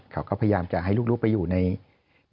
เขาก็พยายามจะให้ลูกไปอยู่ใน